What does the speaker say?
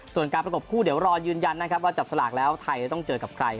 ส่วนการประกบคู่เดี๋ยวรอยืนยันนะครับว่าจับสลากแล้วไทยจะต้องเจอกับใคร